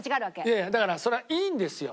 いやいやだからそれはいいんですよ。